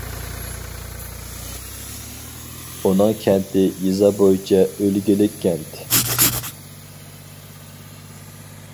ئۇنىڭ كەنتى يېزا بويىچە ئۈلگىلىك كەنت.